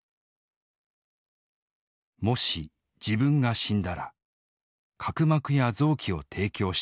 「もし自分が死んだら角膜や臓器を提供したい」。